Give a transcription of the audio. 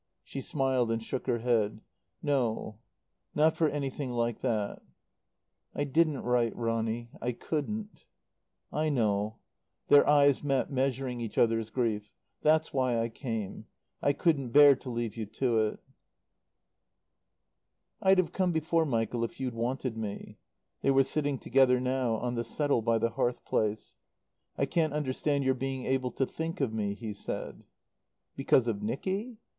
She smiled and shook her head. "No. Not for anything like that." "I didn't write, Ronny. I couldn't." "I know." Their eyes met, measuring each other's grief. "That's why I came. I couldn't bear to leave you to it." "I'd have come before, Michael, if you'd wanted me." They were sitting together now, on the settle by the hearth place. "I can't understand your being able to think of me," he said. "Because of Nicky?